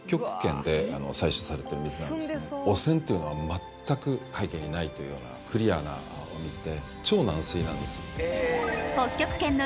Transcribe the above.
汚染っていうのは全く背景にないというようなクリアなお水で。